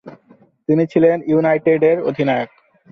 তিনি ছিলেন ইউনাইটেডের অধিনায়ক।